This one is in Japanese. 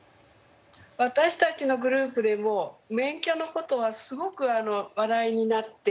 私たちのグループでも免許のことはすごく話題になって。